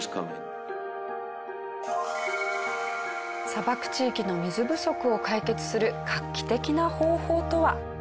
砂漠地域の水不足を解決する画期的な方法とは？